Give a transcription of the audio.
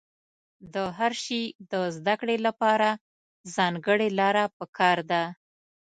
د هر شي د زده کړې له پاره ځانګړې لاره په کار ده.